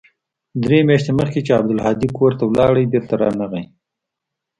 درې مياشتې مخکې چې عبدالهادي کور ته ولاړ بېرته رانغى.